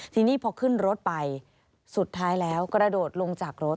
ทีนี้พอขึ้นรถไปสุดท้ายแล้วกระโดดลงจากรถ